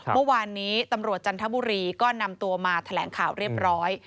เมื่อวานนี้ตำรวจจันทบุรีก็นำตัวมาแถลงข่าวเรียบร้อย